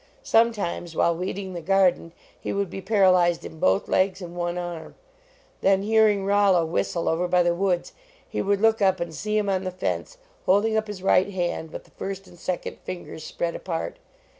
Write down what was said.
Sometimes, while weeding the garden, he would be par alyzed in both legs and one arm. Then hear ing Rollo whistle over by the woods, he would look up and see him on the fence, holding up his right hand with the first and second fingers spread apart.